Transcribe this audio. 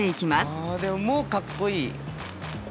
あでももうかっこいい。